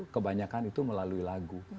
kebanyakan itu melalui lagu